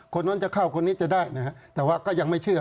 คนนั้นจะเข้าคนนี้จะได้นะฮะแต่ว่าก็ยังไม่เชื่อ